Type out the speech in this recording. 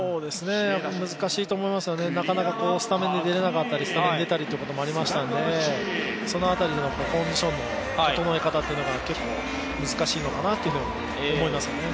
難しいと思いますよね、なかなかスタメンで出られなかったり、スタメンで出たりということもありましたので、その辺りでのコンディションの整え方というのが結構難しいのかなと思いますね。